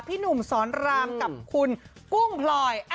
พี่หนุ่มสอนรามกับคุณกุ้งพลอย